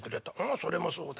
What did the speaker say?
それもそうだ。